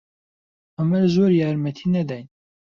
عومەر زۆر یارمەتی نەداین.